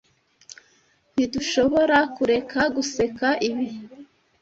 Ntidushoborakureka guseka ibi.